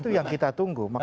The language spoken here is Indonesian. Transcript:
itu yang kita tunggu